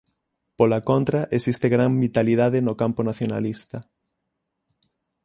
Pola contra, existe gran vitalidade no campo nacionalista.